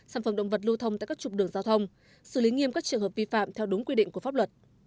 sản phẩm động vật lưu thông tại các trục đường giao thông xử lý nghiêm các trường hợp vi phạm theo đúng quy định của pháp luật